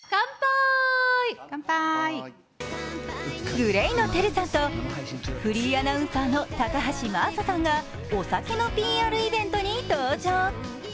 ＧＬＡＹのＴＥＲＵさんとフリーアナウンサーの高橋真麻さんがお酒のＰＲイベントに登場。